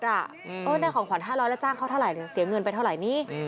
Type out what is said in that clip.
ได้ของขวัญ๕๐๐แล้วจ้างเขาเท่าไหร่เสียเงินไปเท่าไหร่นี้